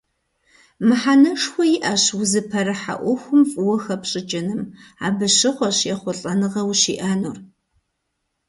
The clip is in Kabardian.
Мыхьэнэшхуэ иӀэщ узыпэрыхьэ Ӏуэхум фӀыуэ хэпщӀыкӀыным, абы щыгъуэщ ехъулӀэныгъэ ущиӀэнур.